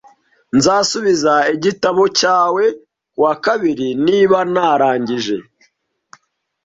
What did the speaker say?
Nzasubiza igitabo cyawe kuwakabiri niba narangije